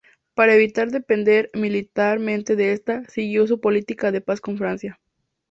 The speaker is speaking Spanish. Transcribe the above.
Para evitar depender militarmente de esta, siguió una política de paz con Francia.